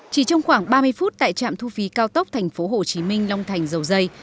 chỉ trong khoảng ba mươi phút tại trạm thu phí cao tốc tp hcm long thành dầu dây